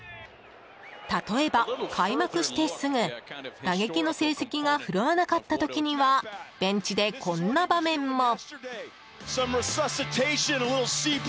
例えば、開幕してすぐ打撃の成績が振るわなかった時にはベンチでこんな場面も。